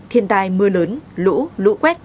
thiên tai mưa lớn lũ lũ quét